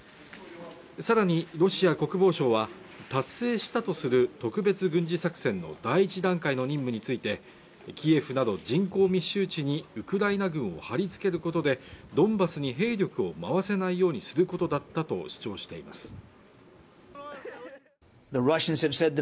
さらにロシア国防省は達成したとする特別軍事作戦の第１段階の任務についてキエフなど人口密集地にウクライナ軍をはり付けることでドンバスに兵力を回せないようにすることだったと主張しています